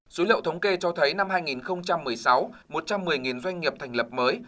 số liệu thống kê cho thấy năm hai nghìn một mươi sáu một trăm một mươi doanh nghiệp thành lập mới